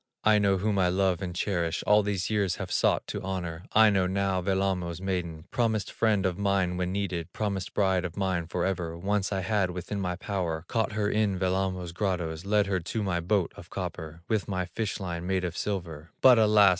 Aino, whom I love and cherish, All these years have sought to honor, Aino, now Wellamo's maiden, Promised friend of mine when needed, Promised bride of mine forever, Once I had within my power, Caught her in Wellamo's grottoes, Led her to my boat of copper, With my fish line made of silver; But alas!